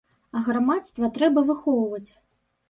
А грамадства трэба выхоўваць.